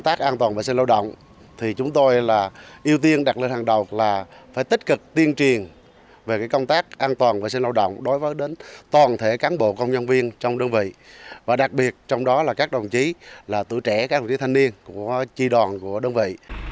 tôi là ưu tiên đặt lên hàng đầu là phải tích cực tiên truyền về công tác an toàn vệ sinh lao động đối với toàn thể cán bộ công nhân viên trong đơn vị và đặc biệt trong đó là các đồng chí tử trẻ các đồng chí thanh niên của tri đoàn của đơn vị